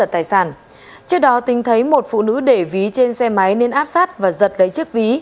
trước đó tính thấy một phụ nữ để ví trên xe máy nên áp sát và giật lấy chiếc ví